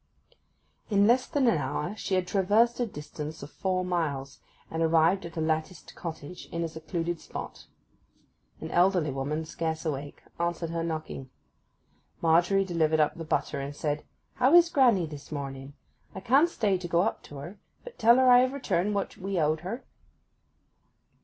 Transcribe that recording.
In less than an hour she had traversed a distance of four miles, and arrived at a latticed cottage in a secluded spot. An elderly woman, scarce awake, answered her knocking. Margery delivered up the butter, and said, 'How is granny this morning? I can't stay to go up to her, but tell her I have returned what we owed her.